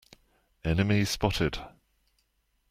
Enemy spotted!